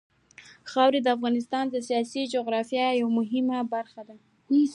خاوره د افغانستان د سیاسي جغرافیه یوه مهمه برخه ده.